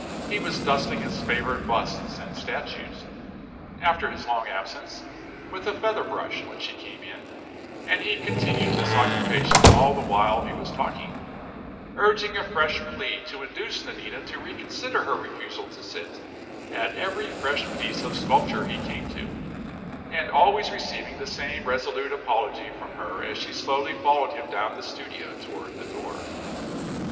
He was dusting his favorite busts and statues, after his long absence, with a feather brush when she came in; and he continued this occupation all the while he was talking urging a fresh plea to induce Nanina to reconsider her refusal to sit at every fresh piece of sculpture he came to, and always receiving the same resolute apology from her as she slowly followed him down the studio toward the door.